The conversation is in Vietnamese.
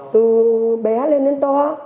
từ bé lên đến to